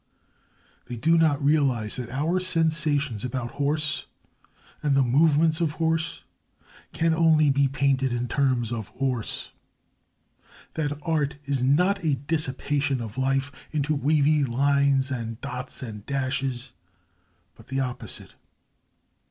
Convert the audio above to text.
They do not realise that our sensations about horse and the movements of horse can only be painted in terms of horse that art is not a dissipation of life into wavy lines and dots and dashes, but the opposite.